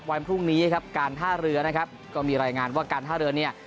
วันพรุ่งนี้ครับการท่าเรือนะครับก็มีรายงานว่าการท่าเรือเนี่ย